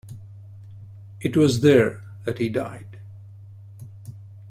It was there that he died.